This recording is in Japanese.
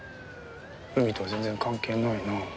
海とは全然関係ないよな。